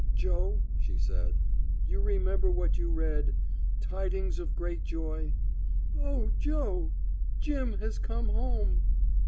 "Joe," she said, "you remember what you read: 'tidings of great joy.' Oh, Joe, Jim has come home!"